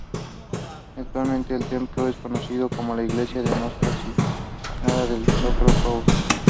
Actualmente el templo es conocido como Iglesia de Nostra Signora del Sacro Cuore.